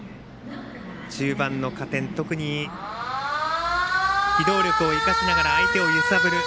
中盤の加点特に機動力を生かしながら相手を揺さぶる。